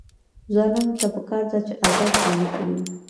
ځوانانو ته پکار ده چې، ادب غني کړي.